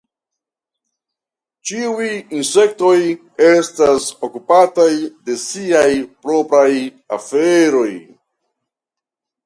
Ĉiuj insektoj estas okupataj de siaj propraj aferoj.